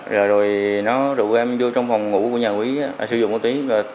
rồi rồi nó rủ em vô trong phòng ngủ của nhà quý sử dụng một tí